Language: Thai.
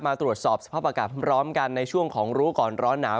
ตรวจสอบสภาพอากาศพร้อมกันในช่วงของรู้ก่อนร้อนหนาว